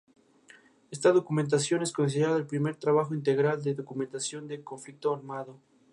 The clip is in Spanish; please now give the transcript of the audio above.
A diferencia de la temporada anterior, esta vez los participantes son masculinos.